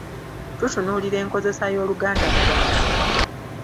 Tutunuulira enkozesa y’Oluganda mu bantu.